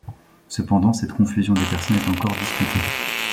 Cependant cette confusion des personnes est encore discutée.